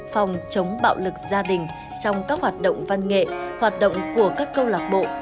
phòng chống bạo lực gia đình trong các hoạt động văn nghệ hoạt động của các câu lạc bộ